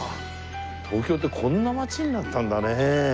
東京ってこんな街になったんだねえ。